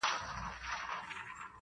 په پردي پرتاگه کونه نه پټېږي.